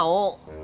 kamu tidak cuma mau